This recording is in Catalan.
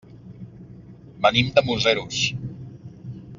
Venim de Museros.